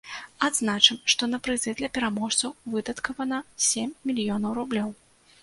Адзначым, што на прызы для пераможцаў выдаткавана сем мільёнаў рублёў.